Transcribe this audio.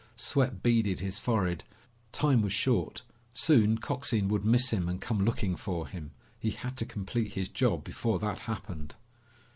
Sweat beaded his forehead. Time was short. Soon Coxine would miss him and come looking for him. He had to complete his job before that happened.